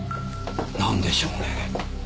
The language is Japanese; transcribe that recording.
なんでしょうね？